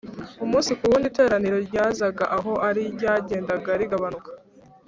Umunsi ku wundi iteraniro ryazaga aho ari ryagendaga rigabanuka